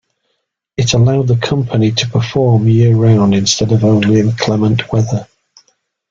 It allowed the company to perform year round instead of only in clement weather.